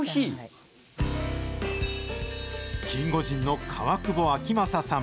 キンゴジンの川久保彬雅さん。